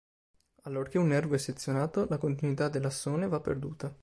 Allorché un nervo è sezionato, la continuità dell'assone va perduta.